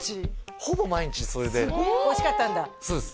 ほぼ毎日それでおいしかったんだそうです